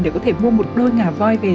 để có thể mua một đôi ngà voi về